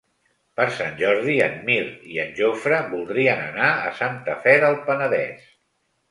Per Sant Jordi en Mirt i en Jofre voldrien anar a Santa Fe del Penedès.